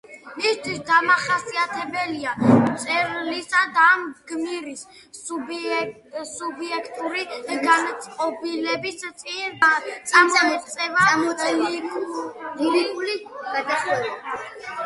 მისთვის დამახასიათებელია მწერლისა და გმირის სუბიექტური განწყობილების წინ წამოწევა, ლირიკული გადახვევები.